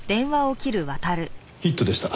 ヒットでした。